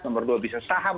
nomor dua bisa saham